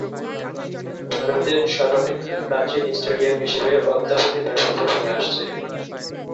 ভারতের সর্বাপেক্ষা প্রাচীন স্টেডিয়াম হিসেবে অদ্যাবধি ব্যবহৃত হয়ে আসছে।